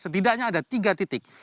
setidaknya ada tiga titik